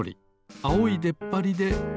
あおいでっぱりでクルリ。